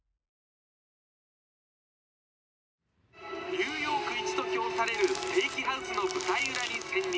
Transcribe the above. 「ニューヨーク一と評されるステーキハウスの舞台裏に潜入」。